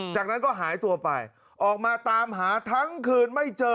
จากนั้นก็หายตัวไปออกมาตามหาทั้งคืนไม่เจอ